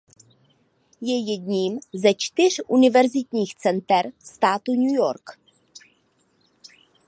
Je jedním ze čtyř univerzitních center státu New York.